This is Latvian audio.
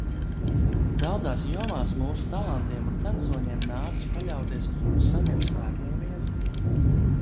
Daudzās jomās mūsu talantiem un censoņiem nākas paļauties uz saviem spēkiem vien.